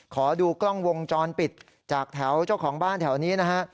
ขอดูกล้องวงจรปิดจากแถวเจ้าของบ้านแถวนี้นะฮะ